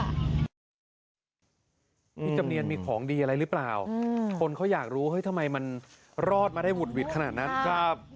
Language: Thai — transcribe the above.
จำเนียนมีของดีอะไรหรือเปล่าคนเขาอยากรู้เฮ้ยทำไมมันรอดมาได้หุดหวิดขนาดนั้นครับ